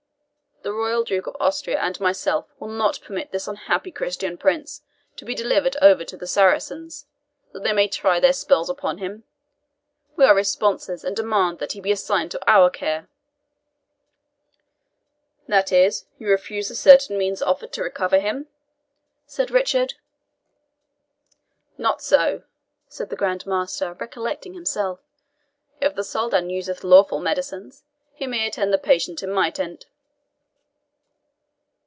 "The royal Duke of Austria and myself will not permit this unhappy Christian prince to be delivered over to the Saracens, that they may try their spells upon him. We are his sponsors, and demand that he be assigned to our care." "That is, you refuse the certain means offered to recover him?" said Richard. "Not so," said the Grand Master, recollecting himself. "If the Soldan useth lawful medicines, he may attend the patient in my tent."